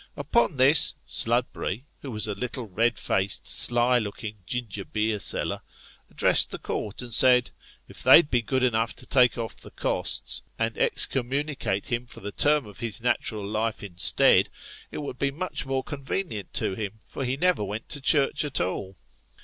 Upon this, Sludberry, who was a little, red faced, sly looking, ginger beer seller, addressed the court, and said, if they'd bo good enough to take off the costs, and excommunicato him for the term of his natural life instead, it would be much more convenient to him, for he never went to church at all.